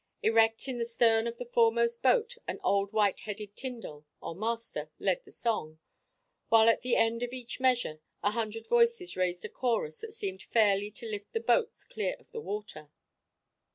Erect in the stern of the foremost boat an old whiteheaded tyndal or "master" led the song, while at the end of each measure a hundred voices raised a chorus that seemed fairly to lift the boats clear of the water.